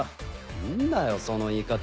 なんだよその言い方。